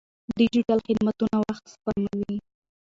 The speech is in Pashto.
ډیجیټل خدمتونه وخت سپموي.